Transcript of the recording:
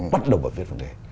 bắt đầu bật viết vấn đề